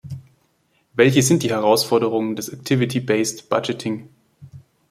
Welche sind die Herausforderungen des activity based budgeting?